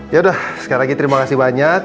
yaudah sekali lagi terima kasih banyak